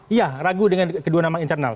iya ragu dengan kedua nama internal